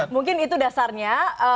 mungkin itu dasarnya